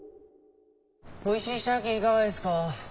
おいしいシャケいかがですか。